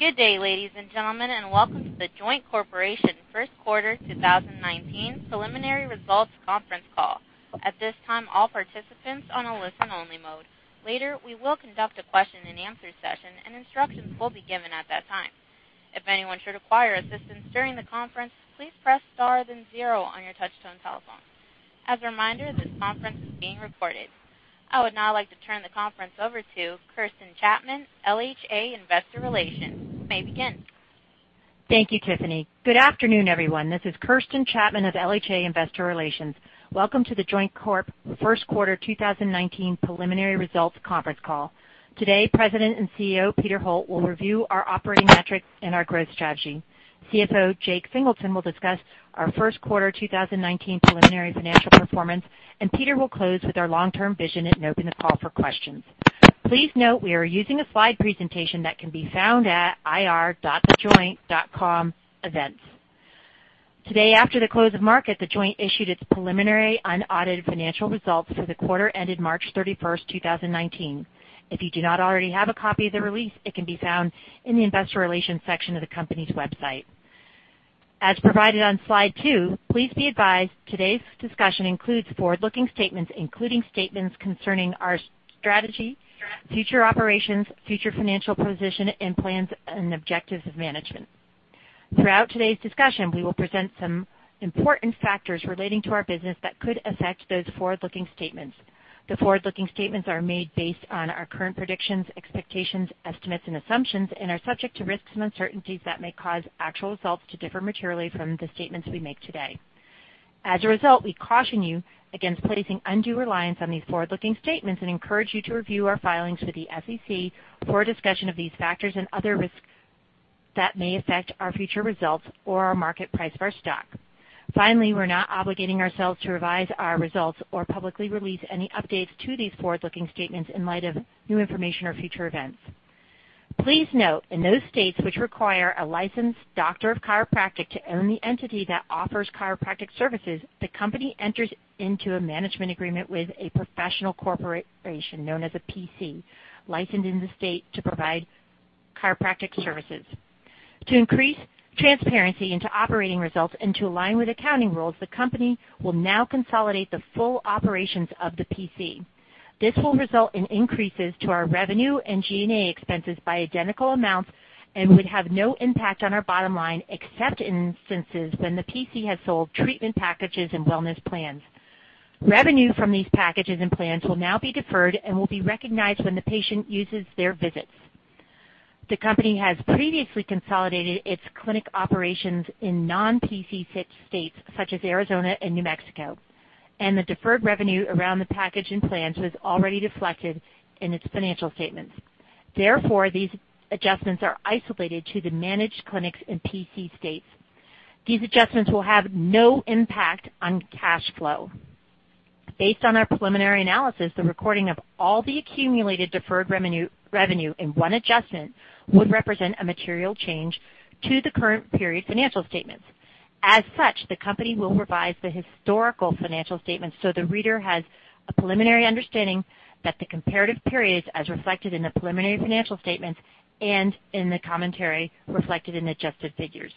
Good day, ladies and gentlemen, and welcome to The Joint Corp. First Quarter 2019 Preliminary Results Conference Call. At this time, all participants on a listen only mode. Later, we will conduct a question and answer session, and instructions will be given at that time. If anyone should require assistance during the conference, please press star then zero on your touchtone telephone. As a reminder, this conference is being recorded. I would now like to turn the conference over to Kirsten Chapman, LHA Investor Relations. You may begin. Thank you, Tiffany. Good afternoon, everyone. This is Kirsten Chapman of LHA Investor Relations. Welcome to The Joint Corp. First Quarter 2019 Preliminary Results Conference Call. Today, President and CEO, Peter Holt, will review our operating metrics and our growth strategy. CFO, Jake Singleton, will discuss our first quarter 2019 preliminary financial performance. Peter will close with our long-term vision and open the call for questions. Please note we are using a slide presentation that can be found at ir.thejoint.com/events. Today, after the close of market, The Joint issued its preliminary unaudited financial results for the quarter ended March 31st, 2019. If you do not already have a copy of the release, it can be found in the investor relations section of the company's website. As provided on slide two, please be advised today's discussion includes forward-looking statements, including statements concerning our strategy, future operations, future financial position, and plans and objectives of management. Throughout today's discussion, we will present some important factors relating to our business that could affect those forward-looking statements. The forward-looking statements are made based on our current predictions, expectations, estimates, and assumptions and are subject to risks and uncertainties that may cause actual results to differ materially from the statements we make today. As a result, we caution you against placing undue reliance on these forward-looking statements and encourage you to review our filings with the SEC for a discussion of these factors and other risks that may affect our future results or our market price of our stock. Finally, we're not obligating ourselves to revise our results or publicly release any updates to these forward-looking statements in light of new information or future events. Please note, in those states which require a licensed doctor of chiropractic to own the entity that offers chiropractic services, the company enters into a management agreement with a professional corporation known as a PC, licensed in the state to provide chiropractic services. To increase transparency into operating results and to align with accounting rules, the company will now consolidate the full operations of the PC. This will result in increases to our revenue and G&A expenses by identical amounts and would have no impact on our bottom line, except in instances when the PC has sold treatment packages and wellness plans. Revenue from these packages and plans will now be deferred and will be recognized when the patient uses their visits. The company has previously consolidated its clinic operations in non-PC states, such as Arizona and New Mexico, and the deferred revenue around the package and plans was already reflected in its financial statements. These adjustments are isolated to the managed clinics in PC states. These adjustments will have no impact on cash flow. Based on our preliminary analysis, the recording of all the accumulated deferred revenue in one adjustment would represent a material change to the current period financial statements. The company will revise the historical financial statements so the reader has a preliminary understanding that the comparative periods, as reflected in the preliminary financial statements and in the commentary, reflected in adjusted figures.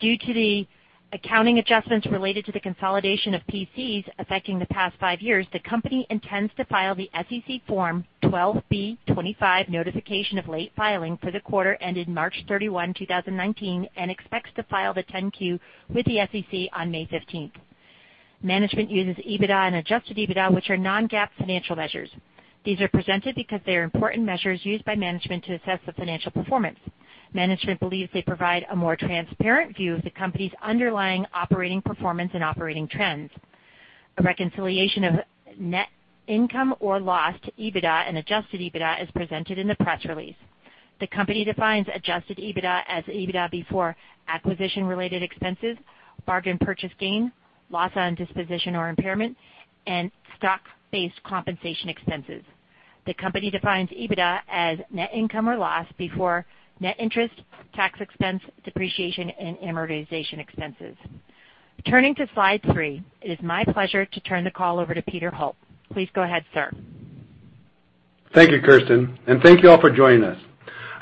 Due to the accounting adjustments related to the consolidation of PCs affecting the past five years, the company intends to file the SEC Form 12b-25 notification of late filing for the quarter ended March 31, 2019 and expects to file the 10-Q with the SEC on May 15th. Management uses EBITDA and adjusted EBITDA, which are non-GAAP financial measures. These are presented because they are important measures used by management to assess the financial performance. Management believes they provide a more transparent view of the company's underlying operating performance and operating trends. A reconciliation of net income or loss to EBITDA and adjusted EBITDA is presented in the press release. The company defines adjusted EBITDA as EBITDA before acquisition-related expenses, bargain purchase gain, loss on disposition or impairment, and stock-based compensation expenses. The company defines EBITDA as net income or loss before net interest, tax expense, depreciation, and amortization expenses. Turning to slide three, it is my pleasure to turn the call over to Peter Holt. Please go ahead, sir. Thank you, Kirsten, and thank you all for joining us.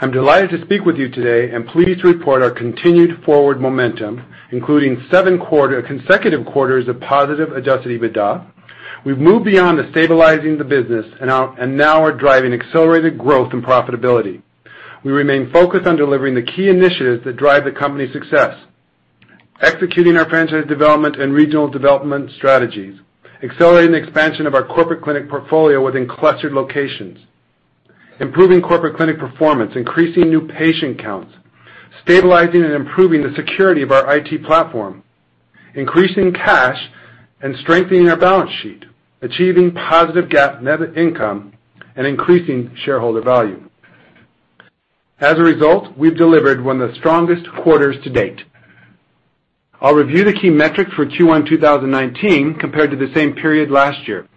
I'm delighted to speak with you today and pleased to report our continued forward momentum, including seven consecutive quarters of positive adjusted EBITDA. We've moved beyond the stabilizing the business and now are driving accelerated growth and profitability. We remain focused on delivering the key initiatives that drive the company's success. Executing our franchise development and regional development strategies. Accelerating the expansion of our corporate clinic portfolio within clustered locations. Improving corporate clinic performance, increasing new patient counts. Stabilizing and improving the security of our IT platform. Increasing cash and strengthening our balance sheet. Achieving positive GAAP net income and increasing shareholder value. We've delivered one of the strongest quarters to date. I'll review the key metrics for Q1 2019 compared to the same period last year.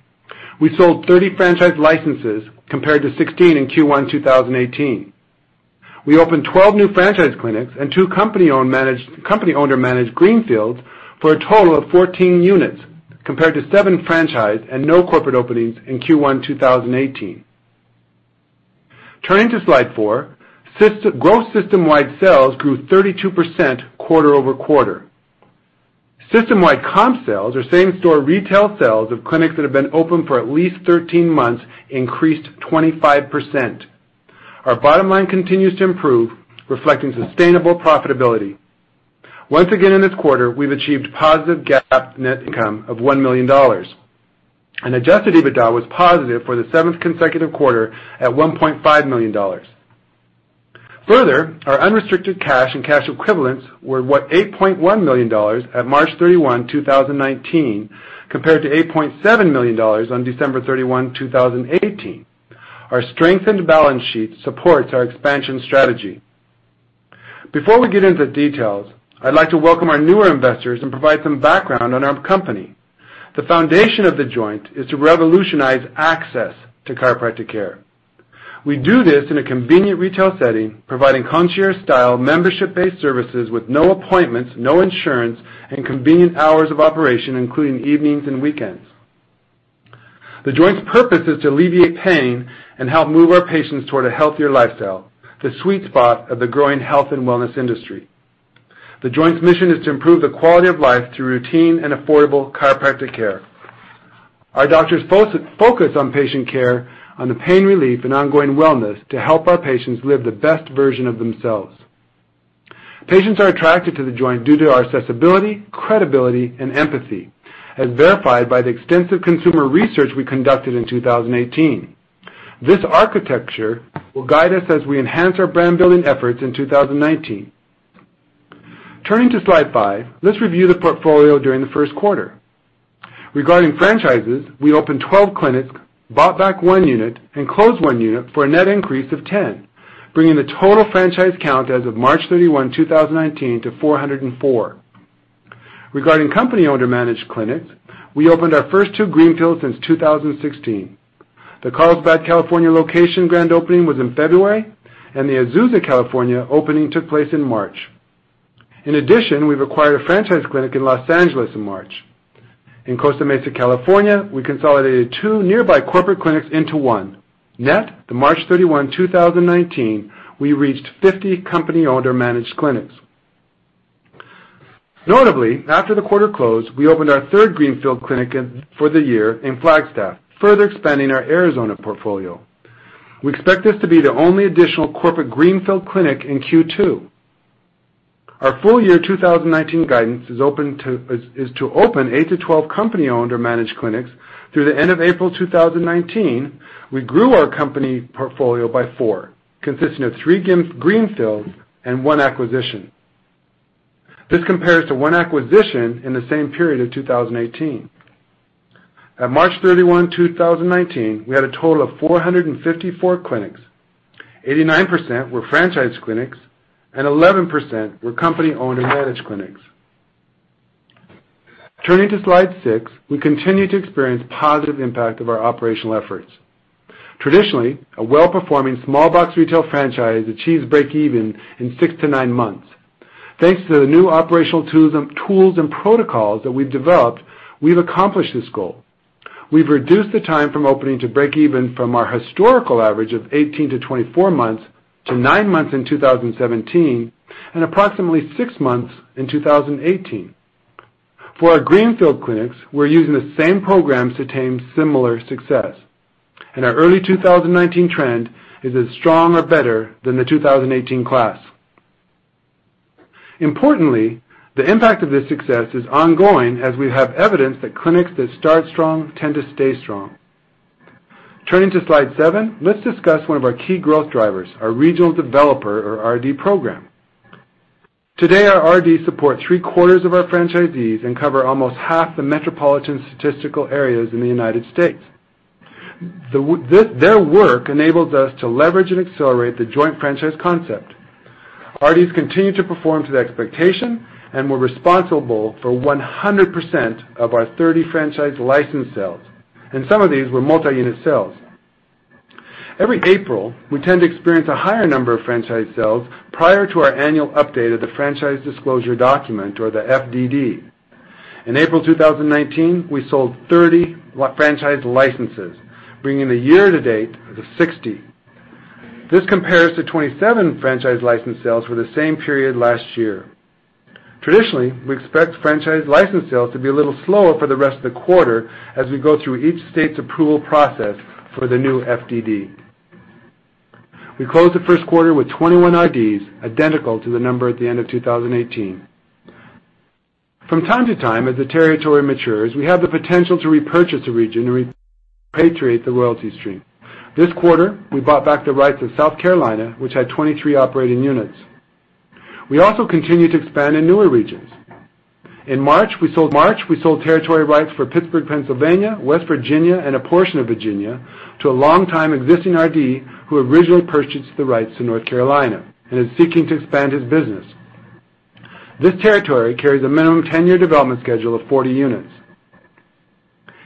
We sold 30 franchise licenses compared to 16 in Q1 2018. We opened 12 new franchise clinics and two company owned or managed greenfields for a total of 14 units, compared to seven franchise and no corporate openings in Q1 2018. Turning to slide four, gross system-wide sales grew 32% quarter-over-quarter. System-wide comp sales, or same-store retail sales of clinics that have been open for at least 13 months, increased 25%. Our bottom line continues to improve, reflecting sustainable profitability. Once again, in this quarter, we've achieved positive GAAP net income of $1 million. Adjusted EBITDA was positive for the seventh consecutive quarter at $1.5 million. Further, our unrestricted cash and cash equivalents were $8.1 million at March 31, 2019, compared to $8.7 million on December 31, 2018. Our strengthened balance sheet supports our expansion strategy. Before we get into the details, I'd like to welcome our newer investors and provide some background on our company. The foundation of The Joint is to revolutionize access to chiropractic care. We do this in a convenient retail setting, providing concierge-style, membership-based services with no appointments, no insurance, and convenient hours of operation, including evenings and weekends. The Joint's purpose is to alleviate pain and help move our patients toward a healthier lifestyle, the sweet spot of the growing health and wellness industry. The Joint's mission is to improve the quality of life through routine and affordable chiropractic care. Our doctors focus on patient care, on the pain relief and ongoing wellness to help our patients live the best version of themselves. Patients are attracted to The Joint due to our accessibility, credibility, and empathy, as verified by the extensive consumer research we conducted in 2018. This architecture will guide us as we enhance our brand-building efforts in 2019. Turning to slide five, let's review the portfolio during the first quarter. Regarding franchises, we opened 12 clinics, bought back one unit, and closed one unit for a net increase of 10, bringing the total franchise count as of March 31, 2019 to 404. Regarding company owned or managed clinics, we opened our first two greenfields since 2016. The Carlsbad, California location grand opening was in February, and the Azusa, California opening took place in March. In addition, we've acquired a franchise clinic in Los Angeles in March. In Costa Mesa, California, we consolidated two nearby corporate clinics into one. Net, to March 31, 2019, we reached 50 company owned or managed clinics. Notably, after the quarter closed, we opened our third greenfield clinic for the year in Flagstaff, further expanding our Arizona portfolio. We expect this to be the only additional corporate greenfield clinic in Q2. Our full year 2019 guidance is to open eight to 12 company owned or managed clinics. Through the end of April 2019, we grew our company portfolio by four, consisting of three greenfields and one acquisition. This compares to one acquisition in the same period of 2018. At March 31, 2019, we had a total of 454 clinics, 89% were franchise clinics and 11% were company owned or managed clinics. Turning to slide six, we continue to experience positive impact of our operational efforts. Traditionally, a well-performing small box retail franchise achieves break even in six to nine months. Thanks to the new operational tools and protocols that we've developed, we've accomplished this goal. We've reduced the time from opening to break even from our historical average of 18-24 months to 9 months in 2017 and approximately 6 months in 2018. For our greenfield clinics, we're using the same programs to attain similar success, and our early 2019 trend is as strong or better than the 2018 class. Importantly, the impact of this success is ongoing as we have evidence that clinics that start strong tend to stay strong. Turning to slide seven, let's discuss one of our key growth drivers, our regional developer or RD program. Today, our RDs support three-quarters of our franchisees and cover almost half the metropolitan statistical areas in the U.S. Their work enables us to leverage and accelerate The Joint franchise concept. RDs continue to perform to the expectation and were responsible for 100% of our 30 franchise license sales, and some of these were multi-unit sales. Every April, we tend to experience a higher number of franchise sales prior to our annual update of the franchise disclosure document or the FDD. In April 2019, we sold 30 franchise licenses, bringing the year-to-date to 60. This compares to 27 franchise license sales for the same period last year. Traditionally, we expect franchise license sales to be a little slower for the rest of the quarter as we go through each state's approval process for the new FDD. We closed the first quarter with 21 RDs, identical to the number at the end of 2018. From time to time, as the territory matures, we have the potential to repurchase a region and repatriate the royalty stream. This quarter, we bought back the rights of South Carolina, which had 23 operating units. We also continue to expand in newer regions. In March, we sold territory rights for Pittsburgh, Pennsylvania, West Virginia, and a portion of Virginia to a longtime existing RD who originally purchased the rights to North Carolina and is seeking to expand his business. This territory carries a minimum 10-year development schedule of 40 units.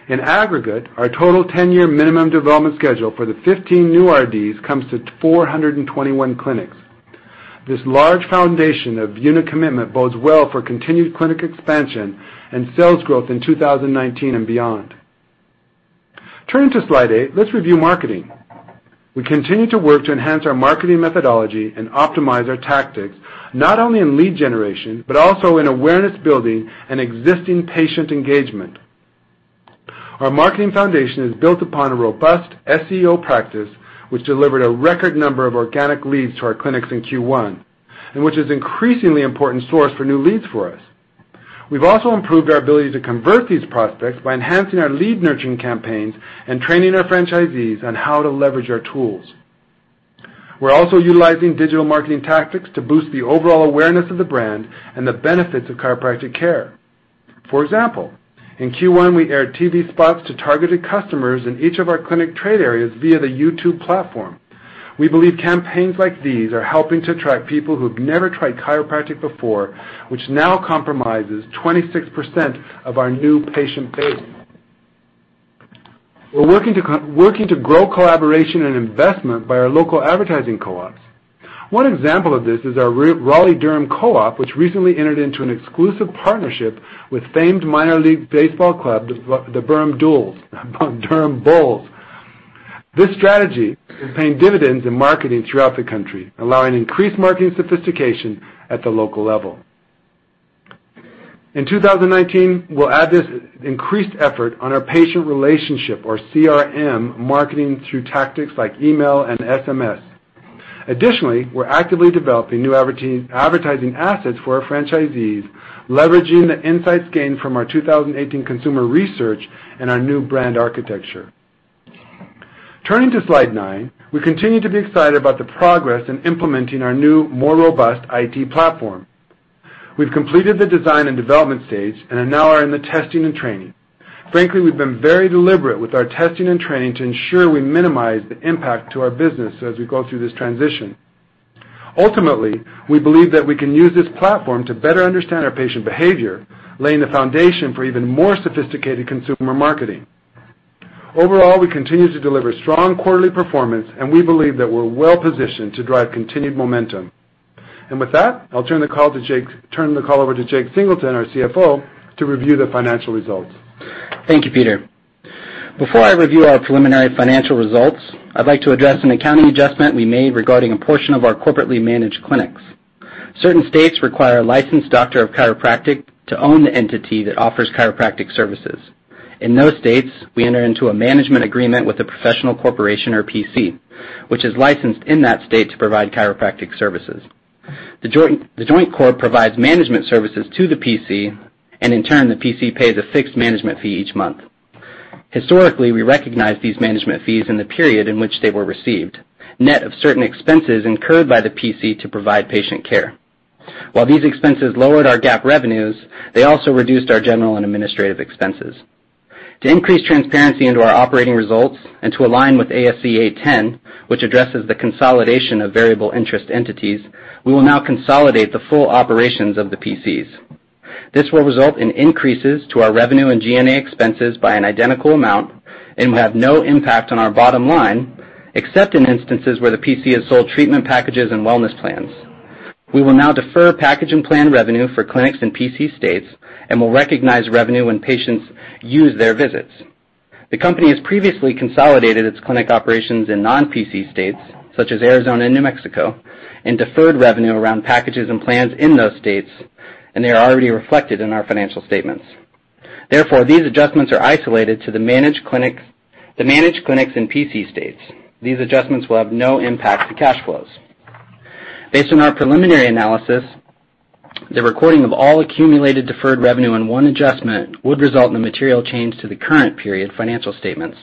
In aggregate, our total 10-year minimum development schedule for the 15 new RDs comes to 421 clinics. This large foundation of unit commitment bodes well for continued clinic expansion and sales growth in 2019 and beyond. Turning to slide eight, let's review marketing. We continue to work to enhance our marketing methodology and optimize our tactics, not only in lead generation, but also in awareness building and existing patient engagement. Our marketing foundation is built upon a robust SEO practice, which delivered a record number of organic leads to our clinics in Q1, and which is increasingly important source for new leads for us. We've also improved our ability to convert these prospects by enhancing our lead nurturing campaigns and training our franchisees on how to leverage our tools. We're also utilizing digital marketing tactics to boost the overall awareness of the brand and the benefits of chiropractic care. For example, in Q1, we aired TV spots to targeted customers in each of our clinic trade areas via the YouTube platform. We believe campaigns like these are helping to attract people who've never tried chiropractic before, which now compromises 26% of our new patient base. We're working to grow collaboration and investment by our local advertising co-ops. One example of this is our Raleigh-Durham co-op, which recently entered into an exclusive partnership with famed minor league baseball club, the Durham Bulls. This strategy is paying dividends in marketing throughout the country, allowing increased marketing sophistication at the local level. In 2019, we'll add this increased effort on our patient relationship, or CRM, marketing through tactics like email and SMS. Additionally, we're actively developing new advertising assets for our franchisees, leveraging the insights gained from our 2018 consumer research and our new brand architecture. Turning to slide nine, we continue to be excited about the progress in implementing our new, more robust IT platform. We've completed the design and development stage, and are now in the testing and training. Frankly, we've been very deliberate with our testing and training to ensure we minimize the impact to our business as we go through this transition. Ultimately, we believe that we can use this platform to better understand our patient behavior, laying the foundation for even more sophisticated consumer marketing. Overall, we continue to deliver strong quarterly performance, and we believe that we're well-positioned to drive continued momentum. With that, I'll turn the call over to Jake Singleton, our CFO, to review the financial results. Thank you, Peter. Before I review our preliminary financial results, I'd like to address an accounting adjustment we made regarding a portion of our corporately managed clinics. Certain states require a licensed doctor of chiropractic to own the entity that offers chiropractic services. In those states, we enter into a management agreement with a professional corporation, or PC, which is licensed in that state to provide chiropractic services. The Joint Corp. provides management services to the PC, and in turn, the PC pays a fixed management fee each month. Historically, we recognized these management fees in the period in which they were received, net of certain expenses incurred by the PC to provide patient care. While these expenses lowered our GAAP revenues, they also reduced our general and administrative expenses. To increase transparency into our operating results and to align with ASC 810, which addresses the consolidation of variable interest entities, we will now consolidate the full operations of the PCs. This will result in increases to our revenue and G&A expenses by an identical amount and will have no impact on our bottom line, except in instances where the PC has sold treatment packages and wellness plans. We will now defer package and plan revenue for clinics in PC states, and will recognize revenue when patients use their visits. The company has previously consolidated its clinic operations in non-PC states, such as Arizona and New Mexico, and deferred revenue around packages and plans in those states, and they are already reflected in our financial statements. Therefore, these adjustments are isolated to the managed clinics in PC states. These adjustments will have no impact to cash flows. Based on our preliminary analysis, the recording of all accumulated deferred revenue in one adjustment would result in a material change to the current period financial statements.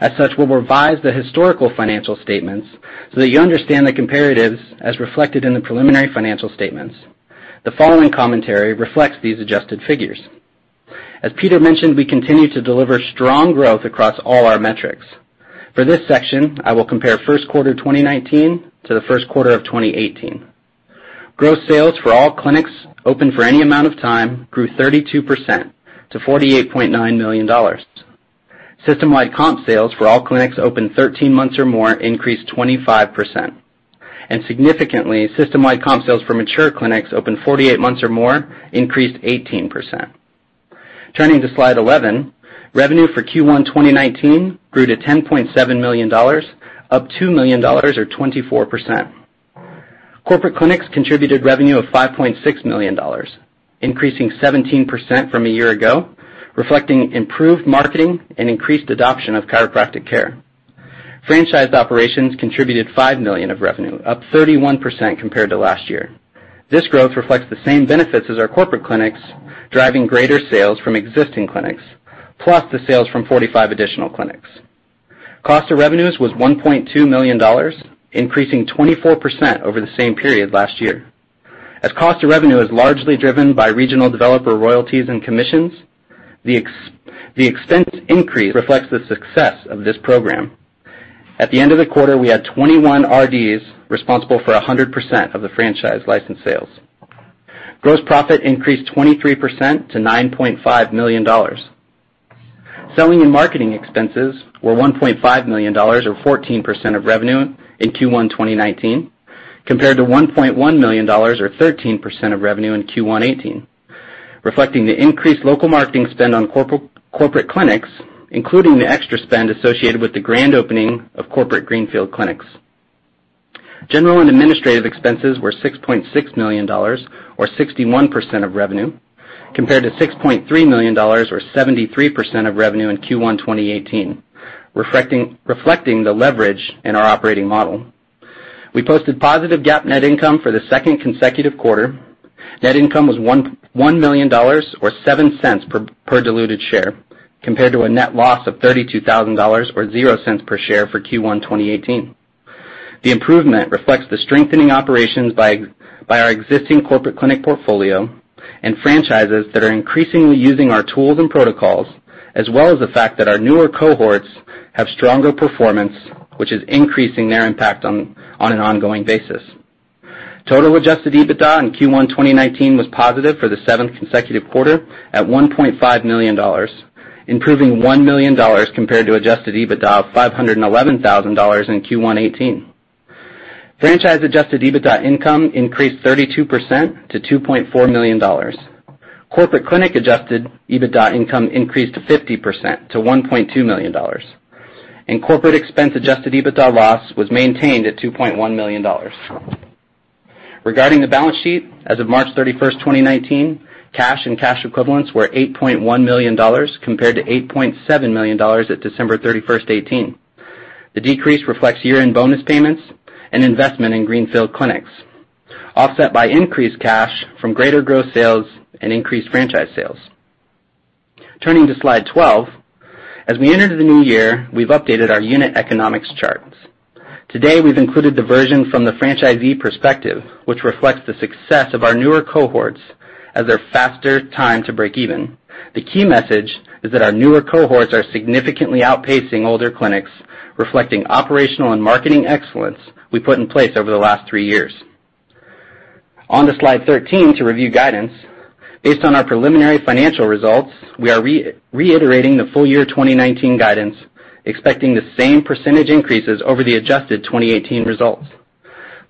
As such, we'll revise the historical financial statements so that you understand the comparatives as reflected in the preliminary financial statements. The following commentary reflects these adjusted figures. As Peter mentioned, we continue to deliver strong growth across all our metrics. For this section, I will compare first quarter 2019 to the first quarter of 2018. Gross sales for all clinics open for any amount of time grew 32% to $48.9 million. Significantly, system-wide comp sales for all clinics open 13 months or more increased 25%. System-wide comp sales for mature clinics open 48 months or more increased 18%. Turning to slide 11, revenue for Q1 2019 grew to $10.7 million, up $2 million or 24%. Corporate clinics contributed revenue of $5.6 million, increasing 17% from a year ago, reflecting improved marketing and increased adoption of chiropractic care. Franchised operations contributed $5 million of revenue, up 31% compared to last year. This growth reflects the same benefits as our corporate clinics, driving greater sales from existing clinics, plus the sales from 45 additional clinics. Cost of revenues was $1.2 million, increasing 24% over the same period last year. As cost of revenue is largely driven by regional developer royalties and commissions, the expense increase reflects the success of this program. At the end of the quarter, we had 21 RDs responsible for 100% of the franchise license sales. Gross profit increased 23% to $9.5 million. Selling and marketing expenses were $1.5 million or 14% of revenue in Q1 2019, compared to $1.1 million or 13% of revenue in Q1 2018, reflecting the increased local marketing spend on corporate clinics, including the extra spend associated with the grand opening of corporate greenfield clinics. General and administrative expenses were $6.6 million or 61% of revenue, compared to $6.3 million or 73% of revenue in Q1 2018, reflecting the leverage in our operating model. We posted positive GAAP net income for the second consecutive quarter. Net income was $1 million or $0.07 per diluted share, compared to a net loss of $32,000 or $0.00 per share for Q1 2018. The improvement reflects the strengthening operations by our existing corporate clinic portfolio and franchises that are increasingly using our tools and protocols, as well as the fact that our newer cohorts have stronger performance, which is increasing their impact on an ongoing basis. Total adjusted EBITDA in Q1 2019 was positive for the seventh consecutive quarter at $1.5 million, improving $1 million compared to adjusted EBITDA of $511,000 in Q1 2018. Franchise adjusted EBITDA income increased 32% to $2.4 million. Corporate clinic adjusted EBITDA income increased to 50% to $1.2 million, and corporate expense adjusted EBITDA loss was maintained at $2.1 million. Regarding the balance sheet, as of March 31st, 2019, cash and cash equivalents were $8.1 million, compared to $8.7 million at December 31st, 2018. The decrease reflects year-end bonus payments and investment in greenfield clinics, offset by increased cash from greater gross sales and increased franchise sales. Turning to slide 12, as we enter the new year, we've updated our unit economics charts. Today, we've included the version from the franchisee perspective, which reflects the success of our newer cohorts as their faster time to break even. The key message is that our newer cohorts are significantly outpacing older clinics, reflecting operational and marketing excellence we put in place over the last three years. On to slide 13 to review guidance. Based on our preliminary financial results, we are reiterating the full year 2019 guidance, expecting the same percentage increases over the adjusted 2018 results.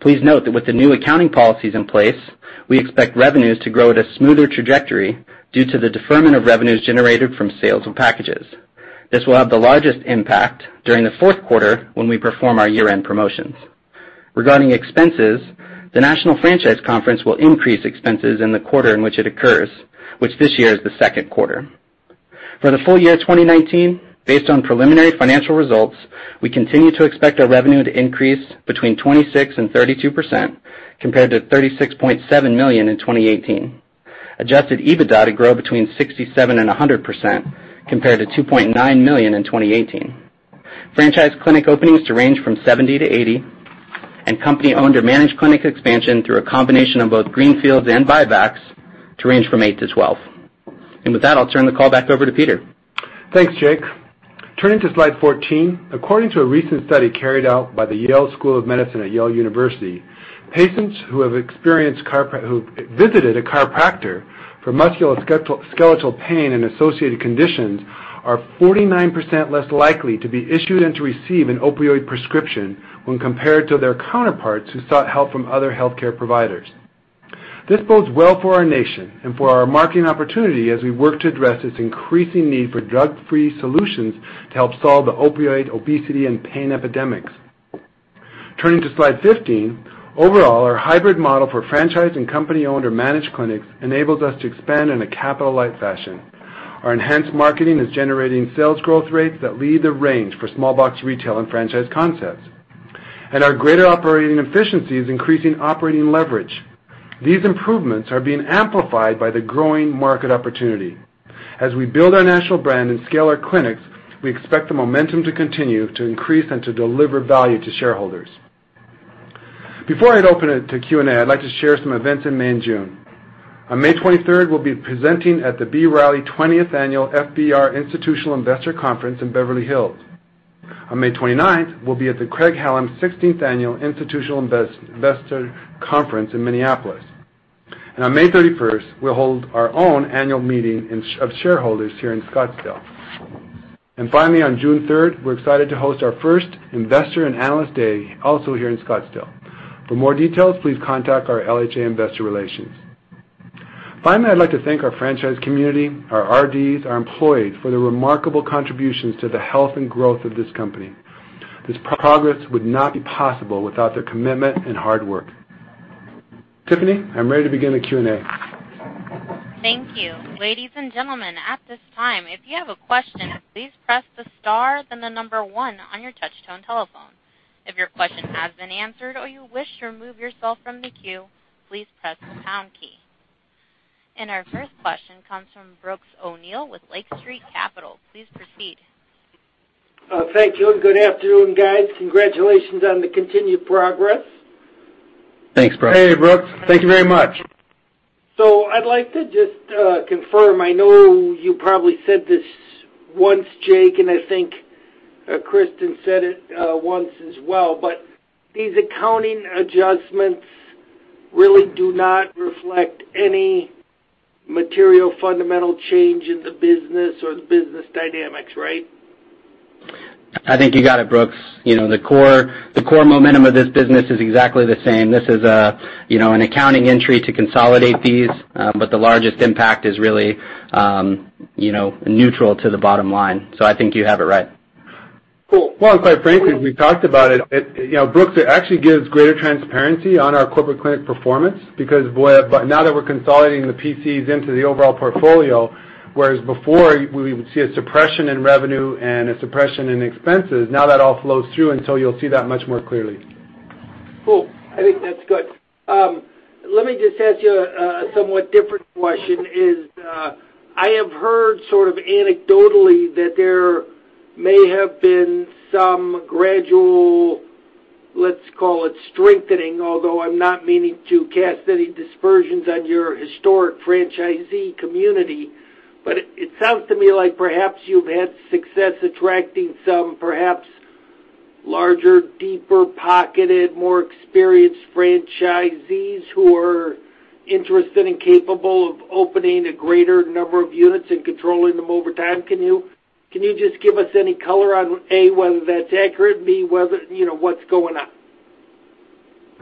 Please note that with the new accounting policies in place, we expect revenues to grow at a smoother trajectory due to the deferment of revenues generated from sales of packages. This will have the largest impact during the fourth quarter when we perform our year-end promotions. Regarding expenses, the National Franchise Conference will increase expenses in the quarter in which it occurs, which this year is the second quarter. For the full year 2019, based on preliminary financial results, we continue to expect our revenue to increase between 26% and 32%, compared to $36.7 million in 2018. Adjusted EBITDA to grow between 67% and 100%, compared to $2.9 million in 2018. Franchise clinic openings to range from 70 to 80, and company-owned or managed clinic expansion through a combination of both greenfields and buybacks to range from eight to 12. With that, I'll turn the call back over to Peter. Thanks, Jake. Turning to slide 14, according to a recent study carried out by the Yale School of Medicine at Yale University, patients who visited a chiropractor for musculoskeletal pain and associated conditions are 49% less likely to be issued and to receive an opioid prescription when compared to their counterparts who sought help from other healthcare providers. This bodes well for our nation and for our marketing opportunity as we work to address this increasing need for drug-free solutions to help solve the opioid, obesity, and pain epidemics. Turning to slide 15. Overall, our hybrid model for franchise and company-owned or managed clinics enables us to expand in a capital-light fashion. Our enhanced marketing is generating sales growth rates that lead the range for small box retail and franchise concepts, and our greater operating efficiency is increasing operating leverage. These improvements are being amplified by the growing market opportunity. As we build our national brand and scale our clinics, we expect the momentum to continue to increase and to deliver value to shareholders. Before I open it to Q&A, I'd like to share some events in May and June. On May 23rd, we'll be presenting at the B. Riley FBR 20th Annual Institutional Investor Conference in Beverly Hills. On May 29th, we'll be at the Craig-Hallum 16th Annual Institutional Investor Conference in Minneapolis. On May 31st, we'll hold our own annual meeting of shareholders here in Scottsdale. Finally, on June 3rd, we're excited to host our first investor and analyst day also here in Scottsdale. For more details, please contact our LHA Investor Relations. Finally, I'd like to thank our franchise community, our RDs, our employees for their remarkable contributions to the health and growth of this company. This progress would not be possible without their commitment and hard work. Tiffany, I'm ready to begin the Q&A. Thank you. Ladies and gentlemen, at this time, if you have a question, please press the star then the number one on your touch-tone telephone. If your question has been answered or you wish to remove yourself from the queue, please press the pound key. Our first question comes from Brooks O'Neil with Lake Street Capital. Please proceed. Thank you, and good afternoon, guys. Congratulations on the continued progress. Thanks, Brooks. Hey, Brooks. Thank you very much. I'd like to just confirm, I know you probably said this once, Jake, and I think Kirsten said it once as well, but these accounting adjustments really do not reflect any material fundamental change in the business or the business dynamics, right? I think you got it, Brooks. The core momentum of this business is exactly the same. This is an accounting entry to consolidate these, but the largest impact is really neutral to the bottom line. I think you have it right. Cool. Quite frankly, as we talked about it, Brooks, it actually gives greater transparency on our corporate clinic performance because now that we're consolidating the PCs into the overall portfolio, whereas before we would see a suppression in revenue and a suppression in expenses, now that all flows through, you'll see that much more clearly. Cool. I think that's good. Let me just ask you a somewhat different question is, I have heard sort of anecdotally that there may have been some gradual, let's call it strengthening, although I'm not meaning to cast any aspersions on your historic franchisee community. It sounds to me like perhaps you've had success attracting some perhaps larger, deeper-pocketed, more experienced franchisees who are interested and capable of opening a greater number of units and controlling them over time. Can you just give us any color on, A, whether that's accurate, B, what's going on?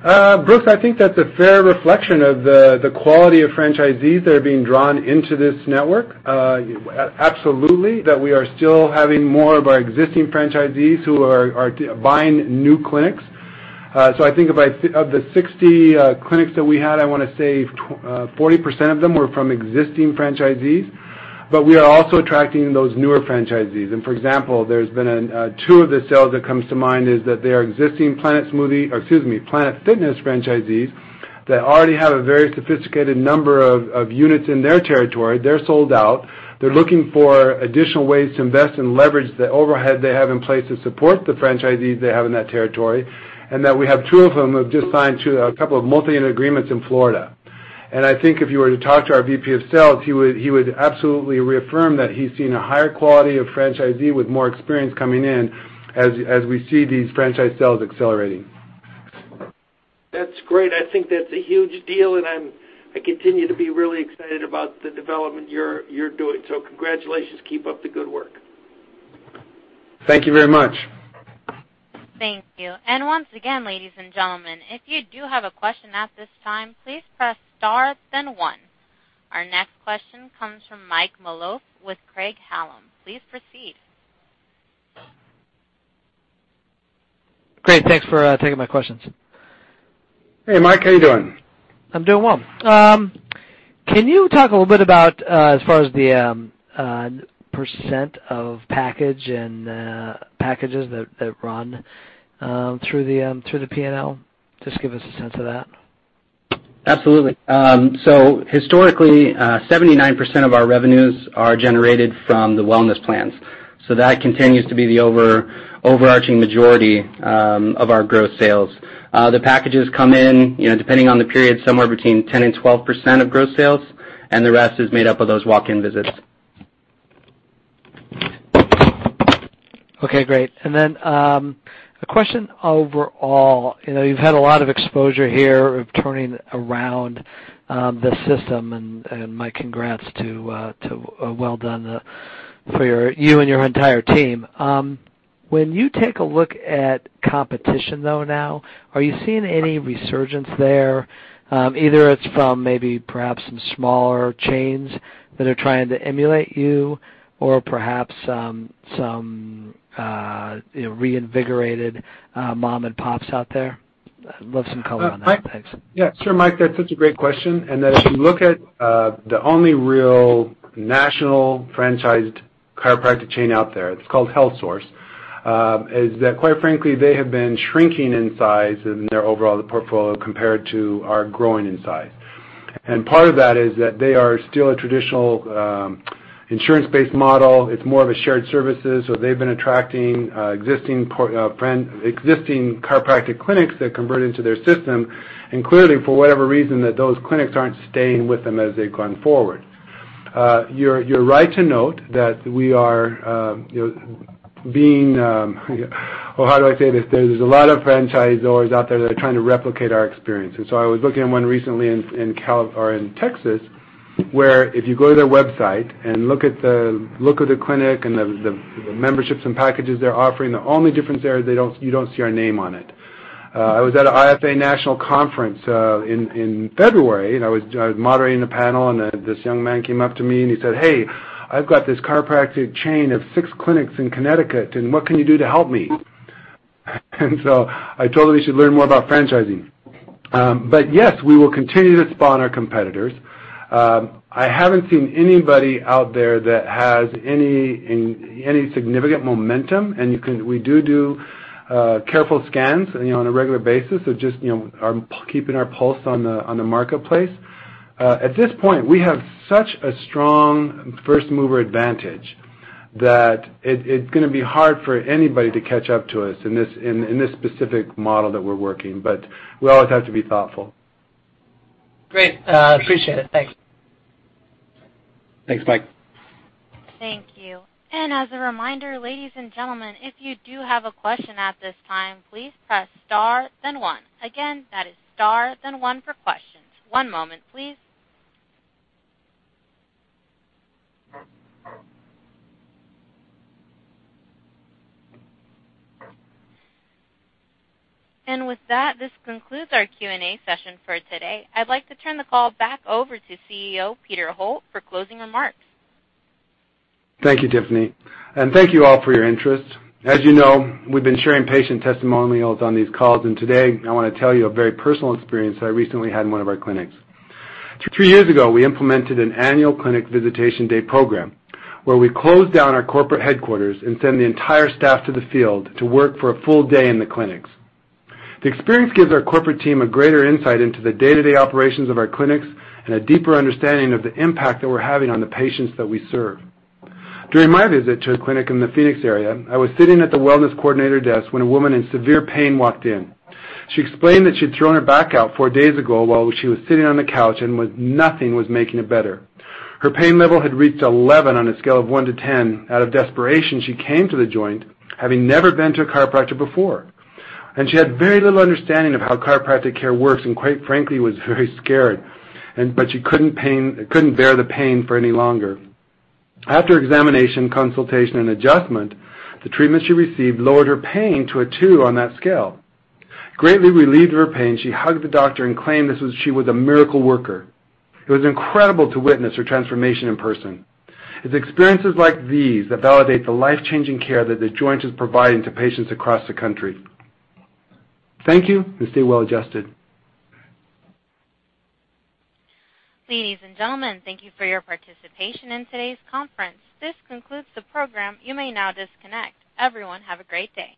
Brooks, I think that's a fair reflection of the quality of franchisees that are being drawn into this network. Absolutely. We are still having more of our existing franchisees who are buying new clinics. I think of the 60 clinics that we had, I want to say 40% of them were from existing franchisees. We are also attracting those newer franchisees. For example, there's been two of the sales that comes to mind is that they are existing Planet Smoothie, or excuse me, Planet Fitness franchisees that already have a very sophisticated number of units in their territory. They're sold out. They're looking for additional ways to invest and leverage the overhead they have in place to support the franchisees they have in that territory. We have two of them have just signed a couple of multimillion-dollar agreements in Florida. I think if you were to talk to our VP of sales, he would absolutely reaffirm that he's seen a higher quality of franchisee with more experience coming in as we see these franchise sales accelerating. That's great. I think that's a huge deal, and I continue to be really excited about the development you're doing. Congratulations. Keep up the good work. Thank you very much. Thank you. Once again, ladies and gentlemen, if you do have a question at this time, please press star then one. Our next question comes from Michael Malouf with Craig-Hallum. Please proceed. Great. Thanks for taking my questions. Hey, Mike. How are you doing? I'm doing well. Can you talk a little bit about, as far as the % of package and packages that run through the P&L? Just give us a sense of that. Absolutely. Historically, 79% of our revenues are generated from the wellness plans. That continues to be the overarching majority of our gross sales. The packages come in, depending on the period, somewhere between 10% and 12% of gross sales, the rest is made up of those walk-in visits. Okay, great. A question overall. You've had a lot of exposure here of turning around the system, and my congrats to well done for you and your entire team. When you take a look at competition, though, now, are you seeing any resurgence there? Either it's from maybe perhaps some smaller chains that are trying to emulate you or perhaps some reinvigorated mom-and-pops out there. I'd love some color on that, thanks. Yeah, sure. Mike, that's such a great question. That if you look at the only real national franchised chiropractic chain out there, it's called HealthSource. Is that quite frankly, they have been shrinking in size in their overall portfolio compared to our growing in size. Part of that is that they are still a traditional insurance-based model. It's more of a shared services. They've been attracting existing chiropractic clinics that convert into their system. Clearly, for whatever reason that those clinics aren't staying with them as they've gone forward. You're right to note that we are being, or how do I say this? There's a lot of franchisors out there that are trying to replicate our experience. I was looking at one recently in Texas, where if you go to their website and look at the clinic and the wellness memberships and packages they are offering, the only difference there is you do not see our name on it. I was at an IFA national conference in February, I was moderating a panel, and this young man came up to me and he said, "Hey, I have got this chiropractic chain of six clinics in Connecticut, and what can you do to help me?" I told him he should learn more about franchising. Yes, we will continue to spawn our competitors. I have not seen anybody out there that has any significant momentum. We do careful scans on a regular basis of just keeping our pulse on the marketplace. At this point, we have such a strong first-mover advantage that it is going to be hard for anybody to catch up to us in this specific model that we are working, we always have to be thoughtful. Great. Appreciate it. Thanks. Thanks, Mike. Thank you. As a reminder, ladies and gentlemen, if you do have a question at this time, please press star, then one. Again, that is star, then one for questions. One moment, please. With that, this concludes our Q&A session for today. I'd like to turn the call back over to CEO, Peter Holt, for closing remarks. Thank you, Tiffany, and thank you all for your interest. As you know, we've been sharing patient testimonials on these calls, and today I want to tell you a very personal experience that I recently had in one of our clinics. three years ago, we implemented an annual clinic visitation day program where we close down our corporate headquarters and send the entire staff to the field to work for a full day in the clinics. The experience gives our corporate team a greater insight into the day-to-day operations of our clinics and a deeper understanding of the impact that we're having on the patients that we serve. During my visit to a clinic in the Phoenix area, I was sitting at the wellness coordinator desk when a woman in severe pain walked in. She explained that she'd thrown her back out four days ago while she was sitting on the couch and nothing was making it better. Her pain level had reached 11 on a scale of one to 10. Out of desperation, she came to The Joint, having never been to a chiropractor before, and she had very little understanding of how chiropractic care works, and quite frankly, was very scared. She couldn't bear the pain for any longer. After examination, consultation, and adjustment, the treatment she received lowered her pain to a two on that scale. Greatly relieved of her pain, she hugged the doctor and claimed she was a miracle worker. It was incredible to witness her transformation in person. It's experiences like these that validate the life-changing care that The Joint is providing to patients across the country. Thank you, and stay well-adjusted. Ladies and gentlemen, thank you for your participation in today's conference. This concludes the program. You may now disconnect. Everyone, have a great day.